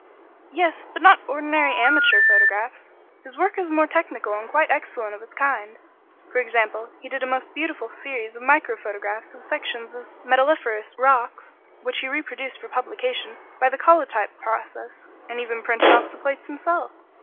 "Yes. But not ordinary amateur photographs; his work is more technical and quite excellent of its kind. For example, he did a most beautiful series of micro photographs of sections of metalliferous rocks which he reproduced for publication by the collotype process, and even printed off the plates himself."